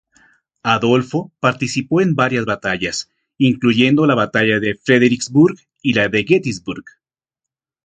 Adolfo participó en varias batallas, incluyendo la Batalla de Fredericksburg y la de Gettysburg.